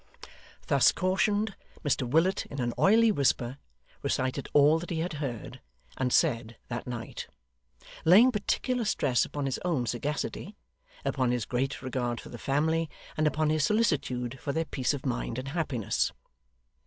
Thus cautioned, Mr Willet, in an oily whisper, recited all that he had heard and said that night; laying particular stress upon his own sagacity, upon his great regard for the family, and upon his solicitude for their peace of mind and happiness.